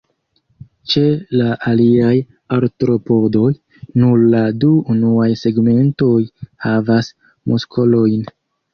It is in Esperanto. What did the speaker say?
Ĉe la aliaj Artropodoj, nur la du unuaj segmentoj havas muskolojn.